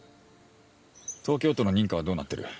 東京都の認可はどうなってる？